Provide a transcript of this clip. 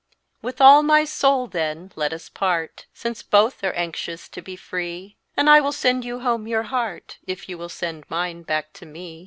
With all my soul, then, let us part, Since both are anxious to be free; And I will sand you home your heart, If you will send mine back to me.